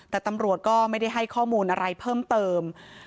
แต่ตำรวจก็ไม่ได้ให้ข้อมูลอะไรเพิ่มเติม